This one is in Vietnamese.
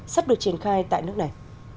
sắp được triển khai tại nước này